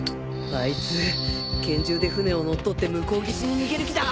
あいつ拳銃で船を乗っ取って向こう岸に逃げる気だ